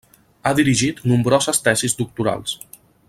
Ha dirigit nombroses tesis doctorals.